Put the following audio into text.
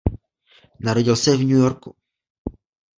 Narodil se v New Yorku.